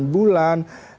sudah pertengahan bulan